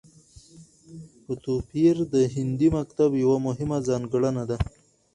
په توپير د هندي مکتب يوه مهمه ځانګړنه ده